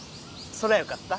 そりゃよかった。